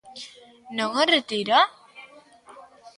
¿Non o retira?